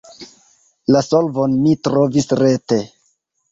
La solvon mi trovis rete.